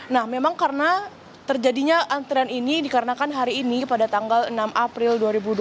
nah memang karena terjadinya antrean ini dikarenakan hari ini pada tanggal enam april dua ribu dua puluh